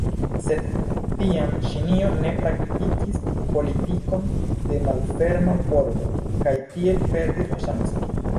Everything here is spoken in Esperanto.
Sed tiam Ĉinio ne praktikis politikon de malferma pordo kaj tiel perdis la ŝancon.